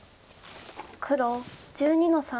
黒１２の三。